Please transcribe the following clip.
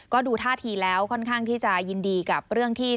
ก็ดูท่าทีแล้วค่อนข้างที่จะยินดีกับเรื่องที่